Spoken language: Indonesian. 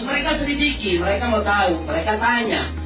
mereka selidiki mereka mau tahu mereka tanya